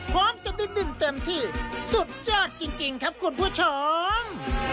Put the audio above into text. พร้อมจะนิดหนึ่งเต็มที่สุดยอดจริงครับคุณผู้ชม